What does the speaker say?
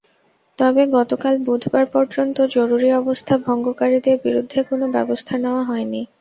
তবে গতকাল বুধবার পর্যন্ত জরুরি অবস্থা ভঙ্গকারীদের বিরুদ্ধে কোনো ব্যবস্থা নেওয়া হয়নি।